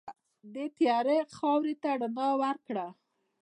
دې تیاره خاورې ته رڼا ورکړه.